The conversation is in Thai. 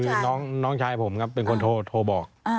คือน้องชายผมครับเป็นคนโทรบอก